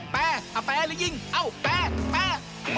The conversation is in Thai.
แปแปหรือยิงแปแป